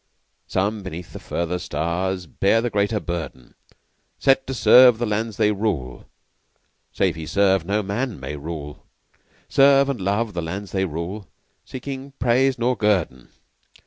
Some beneath the further stars Bear the greater burden. Set to serve the lands they rule, (Save he serve no man may rule) Serve and love the lands they rule; Seeking praise nor guerdon.